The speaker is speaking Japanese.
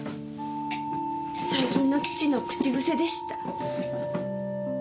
最近の父の口癖でした。